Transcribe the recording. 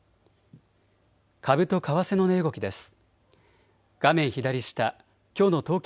株と為替の値動きです。